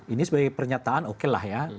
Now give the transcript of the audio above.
ini sebagai pernyataan oke lah ya